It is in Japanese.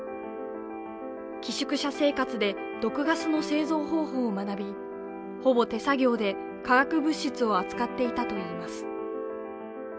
寄宿舎生活で、毒ガスの製造方法を学び、ほぼ手作業で化学物質を扱っていたといいます。